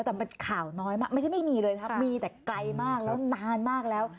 แต่มันข่าวน้อยมากไม่ใช่ไม่มีเลยครับมีแต่ไกลมากแล้วนานมากแล้ว